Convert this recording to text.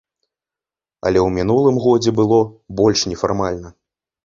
Але ў мінулым годзе было больш нефармальна.